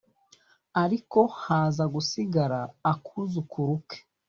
ariko haza gusigara a kuzukuru ke